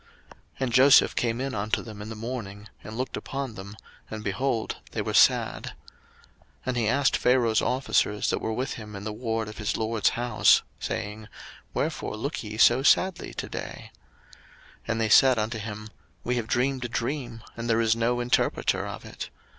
01:040:006 And Joseph came in unto them in the morning, and looked upon them, and, behold, they were sad. 01:040:007 And he asked Pharaoh's officers that were with him in the ward of his lord's house, saying, Wherefore look ye so sadly to day? 01:040:008 And they said unto him, We have dreamed a dream, and there is no interpreter of it.